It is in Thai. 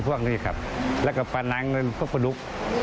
พวกนี้ครับแล้วก็ปลานางเงินพวกปลาดุก